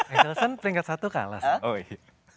exelsen peringkat satu kalah